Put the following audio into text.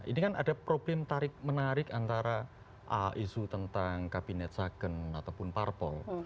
ini kan ada problem tarik menarik antara isu tentang kabinet second ataupun parpol